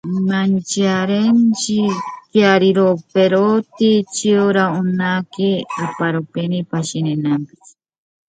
Marejadas ciclónicas fueron confirmadas en muchos lugares.